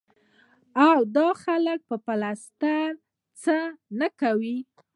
او دا خلک به پلستر د څۀ نه کوي ـ